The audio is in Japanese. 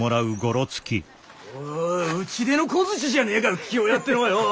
おいおい打ち出の小づちじゃねえか桔梗屋ってのはよお！